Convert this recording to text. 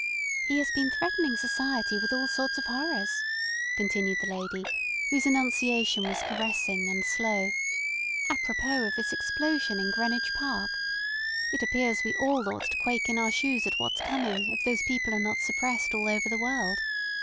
"He has been threatening society with all sorts of horrors," continued the lady, whose enunciation was caressing and slow, "apropos of this explosion in Greenwich Park. It appears we all ought to quake in our shoes at what's coming if those people are not suppressed all over the world.